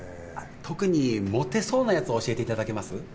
特にモテそうなやつ教えていただけます？